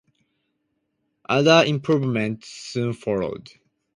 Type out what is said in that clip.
Other improvements soon followed.